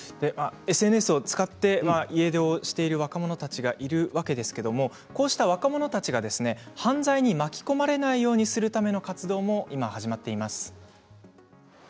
ＳＮＳを使って家出をしている若者たちがいるわけですがこうした若者たちが犯罪に巻き込まれないようにするための活動も始まっています。